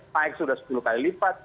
naik sudah sepuluh kali lipat